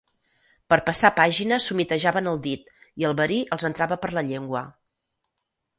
Per passar pàgina s'humitejaven el dit i el verí els entrava per la llengua.